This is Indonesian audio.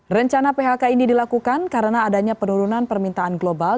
rencana phk ini dilakukan karena adanya penurunan permintaan global